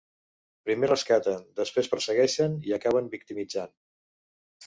Primer rescaten, després persegueixen i acaben victimitzant.